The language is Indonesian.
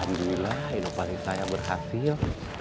alhamdulillah inovasi saya berhasil